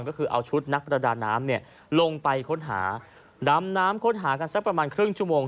ก็คือเอาชุดนักประดาน้ำเนี่ยลงไปค้นหาดำน้ำค้นหากันสักประมาณครึ่งชั่วโมง